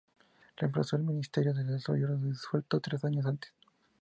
Reemplazó al Ministerio de Desarrollo, disuelto tres años antes.